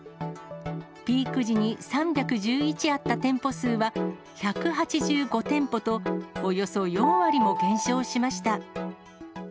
ピーク時に３１１あった店舗数は、１８５店舗と、およそ４割も減少しました。